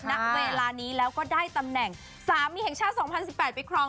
ณเวลานี้แล้วก็ได้ตำแหน่งสามีแห่งชาติ๒๐๑๘ไปครอง